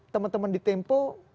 teman teman di tempo